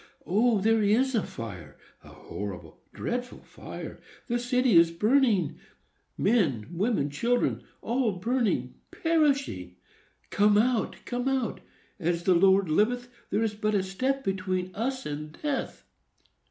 "O! there is a fire!—a horrible, dreadful fire! The city is burning,—men, women, children, all burning, perishing! Come out, come out! As the Lord liveth, there is but a step between us and death!"